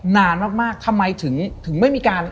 นานมากเหมือนถึงไม่มีการ